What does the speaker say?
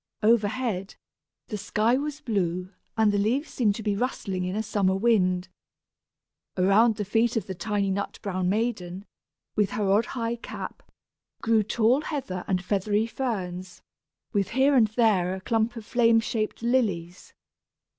Overhead, the sky was blue and the leaves seemed to be rustling in a summer wind. Around the feet of the tiny nut brown maiden, with her odd high cap, grew tall heather and feathery ferns, with here and there a clump of flame shaped lilies.